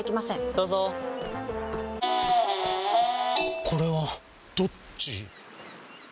どうぞこれはどっち？